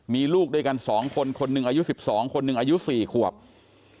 มีลูกด้วยกัน๒คนคนหนึ่งอายุ๑๒คนหนึ่งอายุ๔ขวบ